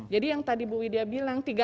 jadi yang tadi bu widya bilang